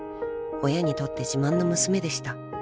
［親にとって自慢の娘でした。